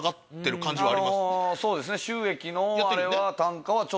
あのそうですね。